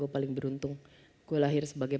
paling beruntung gue lahir sebagai